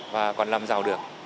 và còn làm giàu được